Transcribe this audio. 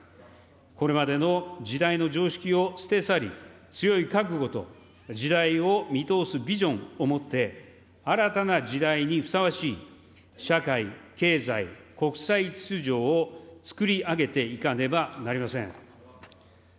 これまでの時代の常識を捨て去り、強い覚悟と時代を見通すビジョンを持って新たな時代にふさわしい社会、経済、国際秩序を作り上げていかねばなりません。